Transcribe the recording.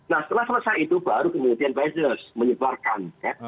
nah setelah selesai itu baru kemudian advisors menyebarkan